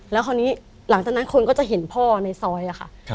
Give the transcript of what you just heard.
แล้วคราวนี้หลังจากนั้นคนก็จะเห็นพ่อในซอยค่ะ